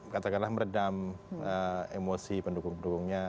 katakanlah meredam emosi pendukung pendukungnya